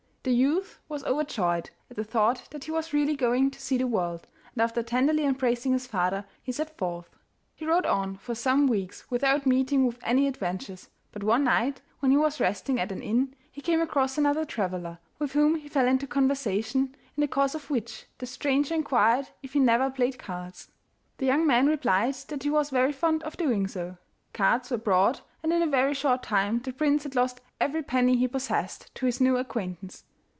The youth was overjoyed at the thought that he was really going to see the world, and after tenderly embracing his father he set forth. He rode on for some weeks without meeting with any adventures; but one night when he was resting at an inn, he came across another traveller, with whom he fell into conversation, in the course of which the stranger inquired if he never played cards. The young man replied that he was very fond of doing so. Cards were brought, and in a very short time the prince had lost every penny he possessed to his new acquaintance.